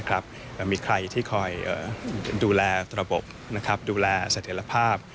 และมีใครที่คอยดูแลระบบ